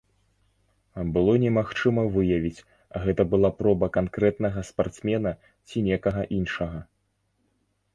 Было немагчыма выявіць, гэта была проба канкрэтнага спартсмена ці некага іншага.